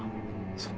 そう。